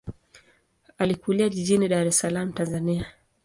Alikulia jijini Dar es Salaam, Tanzania.